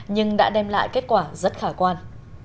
nhưng đã đem lại kết quả rất khả quan